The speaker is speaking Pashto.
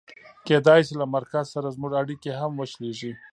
کېدای شي له مرکز سره زموږ اړیکې هم وشلېږي.